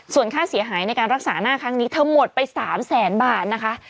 ส่วนค่าเสียหายในการรักษาหน้าครั้งนี้เธอหมดไป๓แสนบาทนะคะ